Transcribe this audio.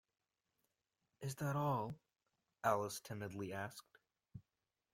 ‘Is that all?’ Alice timidly asked.